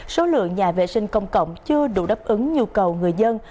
số lượng nhà vệ sinh công cộng chưa đủ đáp ứng nhu cầu người dân